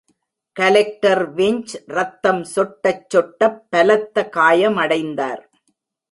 Collector விஞ்ச் ரத்தம் சொட்டச் சொட்டப் பலத்த காயமடைந்தார்.